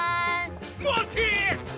待て！